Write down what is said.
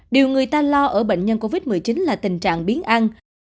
điều người ta lo ở bệnh nhân covid một mươi chín là tình trạng biến ăn